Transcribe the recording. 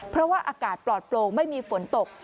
เพราะว่าอากาศปลอดโปร่งไม่มีฝนตก